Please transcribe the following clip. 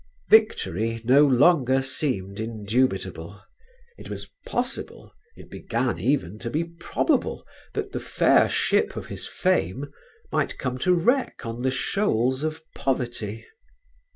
Victory no longer seemed indubitable. It was possible, it began even to be probable that the fair ship of his fame might come to wreck on the shoals of poverty.